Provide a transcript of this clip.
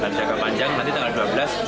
dan jaka panjang nanti tanggal dua puluh